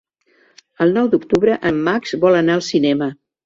El nou d'octubre en Max vol anar al cinema.